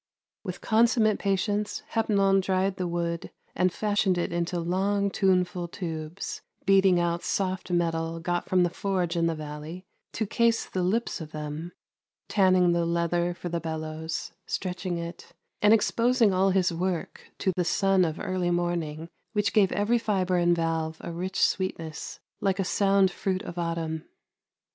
With consummate patience Hepnon dried the wood and fashioned it into long tuneful tubes, beating out soft metal got from the forge in the valley to case the lips of them, tanning the leather for the bellows, stretching it, and exposing all his work to the sun of early morning, which gave every fibre and valve a rich sweetness, like a sound fruit of autumn.